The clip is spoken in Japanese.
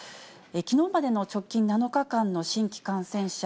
きのうまでの直近７日間の新規感染者、